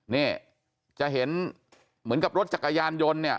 เนี่ยจะเห็นเหมือนกับรถจักรยาน